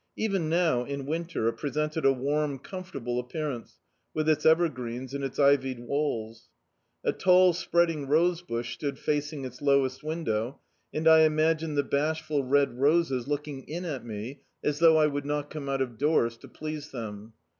Even now, in Winter, it presented a warm, comfortable appear ance, with its evergreens and its ivied walls. A tall, spreading rose bush stood facing its lowest mndow, and I imagined the bashful red roses look D,i.,.db, Google A House to Let ing in at me, as though I would not come out of doors to please them.